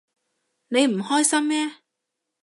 你唔開心咩？